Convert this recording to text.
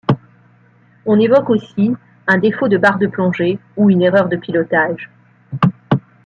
On évoque aussi un défaut de barre de plongée ou une erreur de pilotage.